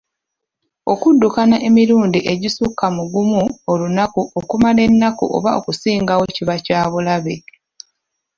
Okuddukana emirundi egisukka mu gumu olunaku okumala ennaku oba okusingawo kiba kyabulabe.